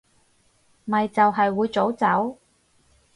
咪就係會早走